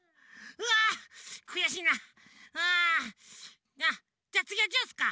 うんじゃつぎはジュースか。